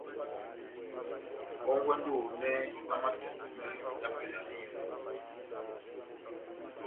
Hɔ́ngwɛ mɔndi ohonɛ amatɔngɔmɛ dá pɛlɛ ya dihedu ohonɛ.